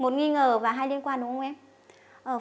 một nghi ngờ và hai liên quan đúng không em